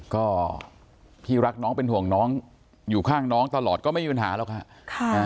ก็พี่รักน้องเป็นห่วงน้องอยู่ข้างน้องตลอดก็ไม่มีปัญหาหรอกค่ะ